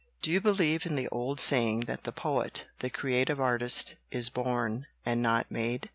"Do you believe in the old saying that the poet the creative artist is born and not made?"